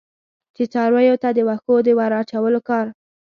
چې څارویو ته د وښو د ور اچولو کار.